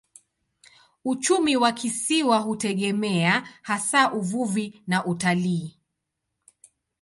Uchumi wa kisiwa hutegemea hasa uvuvi na utalii.